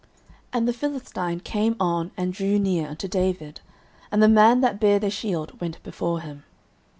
09:017:041 And the Philistine came on and drew near unto David; and the man that bare the shield went before him.